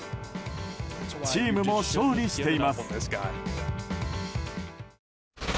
チームも勝利しています。